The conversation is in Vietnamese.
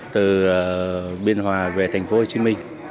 từ biên hòa về tp hcm